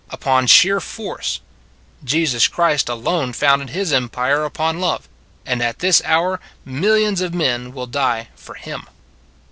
Upon sheer force. Jesus Christ alone founded his empire upon love: and at this hour millions of men will die for him.